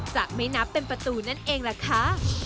จะไม่นับเป็นประตูนั่นเองล่ะค่ะ